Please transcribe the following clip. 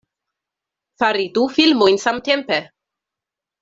Fari du filmojn samtempe!